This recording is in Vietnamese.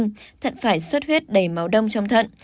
tuy nhiên thận phải xuất huyết đầy máu đông trong thận